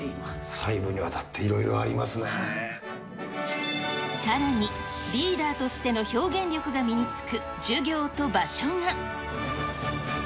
細部にわたっていろいろありさらに、リーダーとしての表現力が身につく授業と場所が。